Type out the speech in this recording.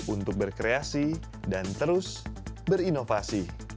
untuk berkreasi dan terus berinovasi